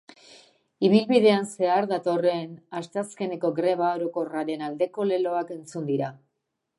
Ibilbidean zehar datorren asteazkeneko greba orokorraren aldeko leloak entzun dira.